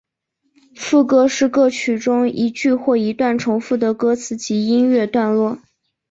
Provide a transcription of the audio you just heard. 副歌是歌曲中一句或一段重复的歌词及音乐段落。